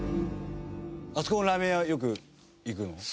あそこのラーメン屋はよく行くんですか？